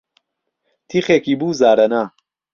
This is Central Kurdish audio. تیخێکی بوو زارهنا